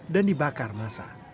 dan dibakar masa